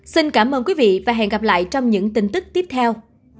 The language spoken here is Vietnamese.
xin cảm ơn quý vị và hẹn gặp lại trong những tin tức tiếp theo